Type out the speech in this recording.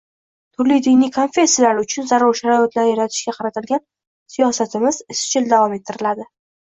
turli diniy konfessiyalar uchun zarur sharoitlar yaratishga qaratilgan siyosatimiz izchil davom ettiriladi.